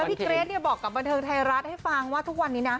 พี่เกรทบอกกับบันเทิงไทยรัฐให้ฟังว่าทุกวันนี้นะ